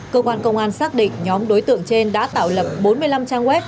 cơ quan công an xác định nhóm đối tượng trên đã tạo lập bốn mươi năm trang web